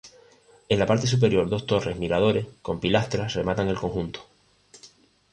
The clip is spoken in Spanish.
En la parte superior dos torres miradores con pilastras rematan el conjunto.